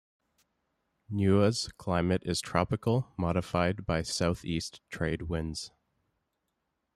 Niue's climate is tropical, modified by south-east trade winds.